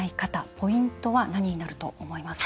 ポイントは何になると思いますか？